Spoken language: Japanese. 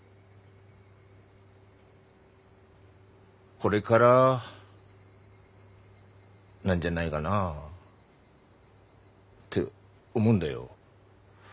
これからなんじゃないがなあ。って思うんだよ。